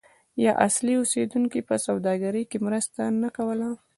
آیا اصلي اوسیدونکو په سوداګرۍ کې مرسته نه کوله؟